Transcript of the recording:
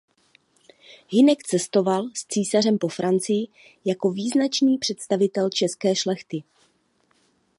Hynek cestoval s císařem po Francii jako význačný představitel české šlechty.